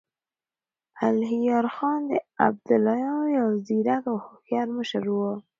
الهيار خان د ابدالیانو يو ځيرک او هوښیار مشر و.